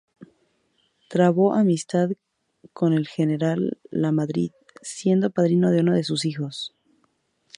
Trabó amistad con el general Lamadrid, siendo padrino de uno de sus hijos.